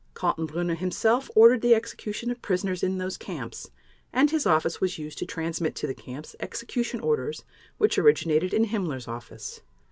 Kaltenbrunner himself ordered the execution of prisoners in those camps and his office was used to transmit to the camps execution orders which originated in Himmler's office.